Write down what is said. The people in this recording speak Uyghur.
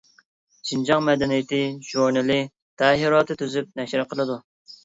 «شىنجاڭ مەدەنىيىتى» ژۇرنىلى تەھرىراتى تۈزۈپ نەشر قىلىدۇ.